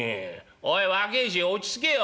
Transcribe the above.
おい若え衆落ち着けよ。